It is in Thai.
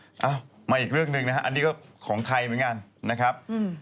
เอ้ามาอีกเรื่องหนึ่งนะฮะอันนี้ก็ของไทยเหมือนกันนะครับ